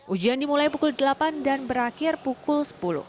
ujian dimulai pukul delapan dan berakhir pukul sepuluh